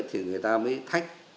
thì người ta mới thách